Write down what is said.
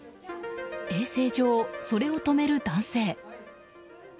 衛生上、それを止める男性。